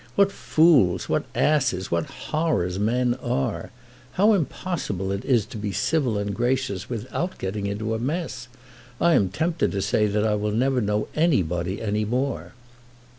What fools, what asses, what horrors men are! How impossible it is to be civil and gracious without getting into a mess. I am tempted to say that I will never know anybody any more."